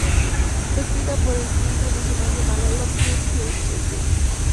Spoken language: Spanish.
Fue escrita para un film promocional llamado ""Love You Till Tuesday".